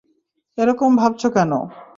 এরকম ভাবছো কেন?